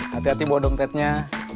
hati hati bodong tetnya